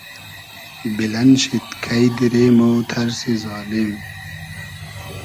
بیلئن شید کݷ دیرې مۉ تئرسی زالیم